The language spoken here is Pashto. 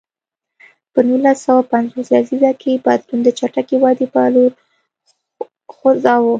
په نولس سوه پنځوس لسیزه کې بدلون د چټکې ودې په لور خوځاوه.